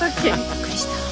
びっくりした。